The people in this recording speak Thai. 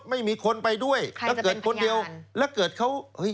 ไม่มีคนไปด้วยแล้วเกิดคนเดียวแล้วเกิดเขาเฮ้ย